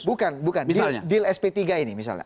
bukan bukan di deal sp tiga ini misalnya